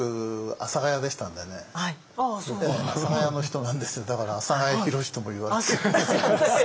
阿佐ヶ谷の人なんですだから「阿佐ヶ谷宏」とも言われる。